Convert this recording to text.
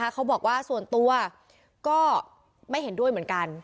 เขาบอกว่าส่วนตัวก็ไม่เห็นด้วยเหมือนกัน